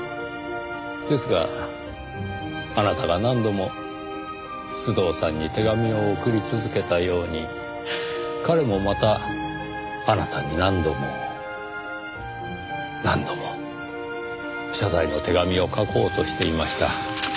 ですがあなたが何度も須藤さんに手紙を送り続けたように彼もまたあなたに何度も何度も謝罪の手紙を書こうとしていました。